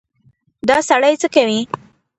_دا سړی څه کوې؟